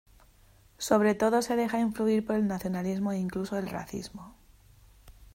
Sobre todo, se deja influir por el nacionalismo e incluso el racismo.